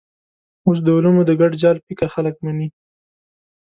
اوس د علومو د ګډ جال فکر خلک مني.